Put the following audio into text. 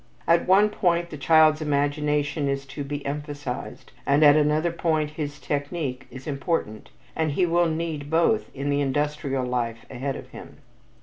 At one point the child's imagination is to be emphasized, and at another point his technique is important and he will need both in the industrial life ahead of him.